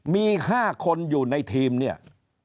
มี๕คนอยู่ในทีมเนี่ย